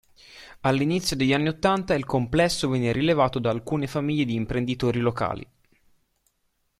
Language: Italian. All'inizio degli anni ottanta, il complesso venne rilevato da alcune famiglie di imprenditori locali.